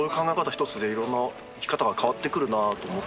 ひとつでいろんな生き方が変わってくるなと思って。